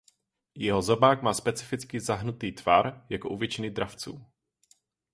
Jeho zobák má specificky zahnutý tvar jako u většiny dravců.